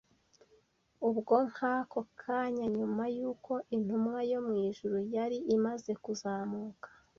ubwo nk’ako kanya nyuma y’uko intumwa yo mu ijuru yari imaze kuzamuka